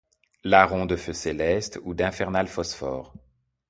Larrons de feu céleste ou d’infernal phosphore